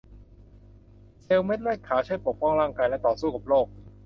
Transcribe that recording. เซลล์เม็ดเลือดขาวช่วยปกป้องร่างกายแและต่อสู้กับโรค